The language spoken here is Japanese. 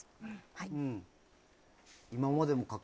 はい。